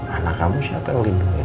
anak kamu siapa yang lindungi